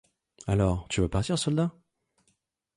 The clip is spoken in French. Alors, tu vas partir soldat ?